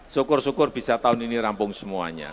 syukur syukur bisa tahun ini rampung semuanya